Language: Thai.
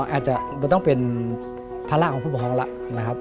อาจจะไม่ต้องเป็นธรรมของผู้พ่อแล้วนะครับ